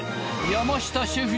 山下シェフ